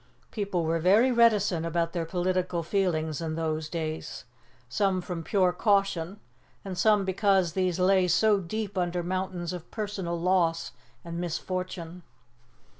People were very reticent about their political feelings in those days; some from pure caution and some because these lay so deep under mountains of personal loss and misfortune.